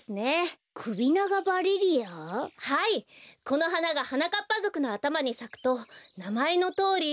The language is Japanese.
このはながはなかっぱぞくのあたまにさくとなまえのとおり。